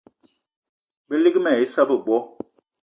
Balig mal ai issa bebo